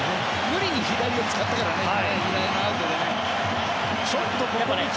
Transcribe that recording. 無理に左を使ったからねアウトでね。